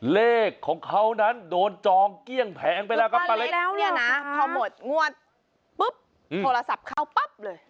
เลขของเขานั้นโดนจองเกี้ยงแผงไปแล้วครับป้าเล็กแล้วเนี่ยนะพอหมดงวดปุ๊บโทรศัพท์เข้าปั๊บเลย